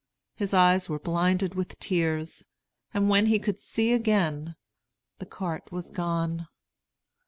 His eyes were blinded with tears; and when he could see again, the cart was gone.